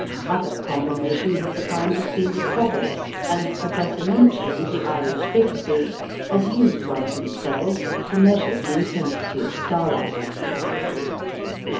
Other combinations of the kind have been discovered, and Professor Minchin, the Irish physicist, has used one of these cells to measure the intensity of starlight.